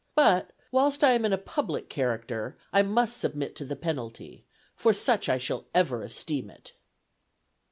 But, whilst I am in a public character, I must submit to the penalty; for such I shall ever esteem it."